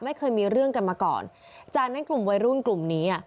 ไม่เคยมีเรื่องกันมาก่อนจากนั้นกลุ่มวัยรุ่นกลุ่มนี้อ่ะ